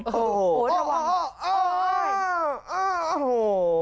โอ้โหโอ้โหโอ้โห